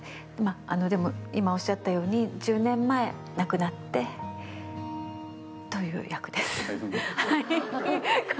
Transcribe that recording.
でも今おっしゃったように１０年前亡くなって、という役です。